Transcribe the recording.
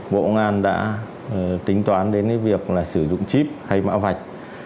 bộ công an đã tính toán đến việc là sử dụng chip hay mã vạch